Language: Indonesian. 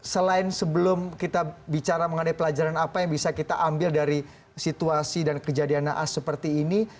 selain sebelum kita bicara mengenai pelajaran apa yang bisa kita ambil dari situasi dan kejadian naas seperti ini